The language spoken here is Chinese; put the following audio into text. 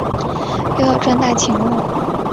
又要赚大钱啰